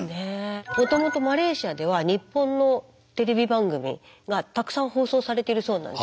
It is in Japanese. もともとマレーシアでは日本のテレビ番組がたくさん放送されているそうなんです。